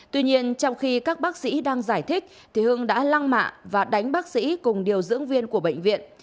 tuy nhiên trong khi các bác sĩ đang giải thích thì hương đã lăng mạ và đánh bác sĩ cùng điều dưỡng viên của bệnh viện